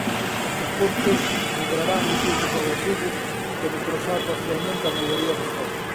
Estes puntos medrarán de xeito progresivo ata necrosar parcialmente a maioría das follas.